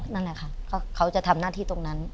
นั่นแหละค่ะก็เขาจะทำหน้าที่ตรงนั้น